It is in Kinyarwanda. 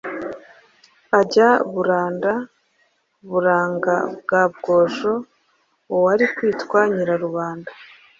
ajya Buranda, Buranga bwa Bwojo, Uwari kwitwa Nyirarubanda.